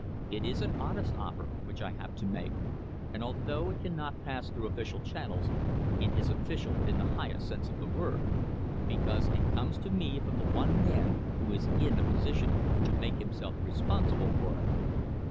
It is an honest offer which I have to make, and although it cannot pass through official channels, it is official in the highest sense of the word, because it comes to me from the one man who is in a position to make himself responsible for it."